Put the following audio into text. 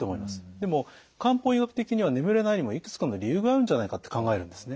でも漢方医学的には眠れないにもいくつかの理由があるんじゃないかって考えるんですね。